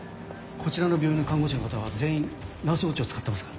こちらの病院の看護師の方は全員ナースウオッチを使ってますか？